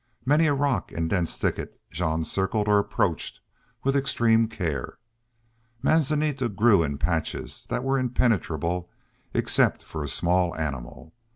Many a rock and dense thicket Jean circled or approached with extreme care. Manzanita grew in patches that were impenetrable except for a small animal.